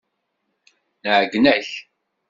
Nɛeyyen-ak.